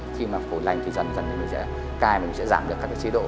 khi mà phổi lành thì dần dần mình sẽ cài mình sẽ giảm được các cái chế độ